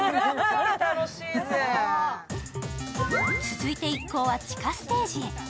続いて、一行は地下ステージへ。